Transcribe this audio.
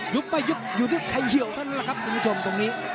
ไปยุบอยู่ที่ใครเหี่ยวเท่านั้นแหละครับคุณผู้ชมตรงนี้